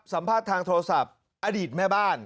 สัมภาษณ์ทางโทรศัพท์อดีตแม่บ้าน